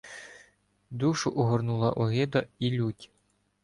Душу огорнула огида і лють.